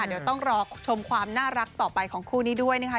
เดี๋ยวต้องรอชมความน่ารักต่อไปของคู่นี้ด้วยนะคะ